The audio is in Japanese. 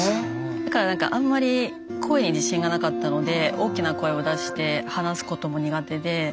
だからあんまり声に自信がなかったので大きな声を出して話すことも苦手で。